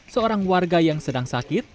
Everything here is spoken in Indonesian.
seorang warga yang sedang sakit